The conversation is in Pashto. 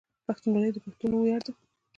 پښتونولي د پښتنو ویاړ ده.